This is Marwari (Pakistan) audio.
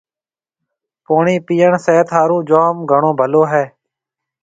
پوڻِي پيڻ صحت هارون جوم گھڻو ڀلو هيَ۔